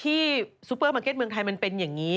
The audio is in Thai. ซูเปอร์มาร์เก็ตเมืองไทยมันเป็นอย่างนี้